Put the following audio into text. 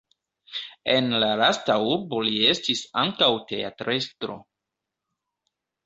En la lasta urbo li estis ankaŭ teatrestro.